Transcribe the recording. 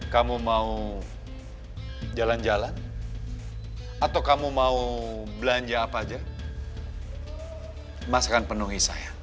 kamu mau jalan jalan atau kamu mau belanja apa aja mas akan penuhi saya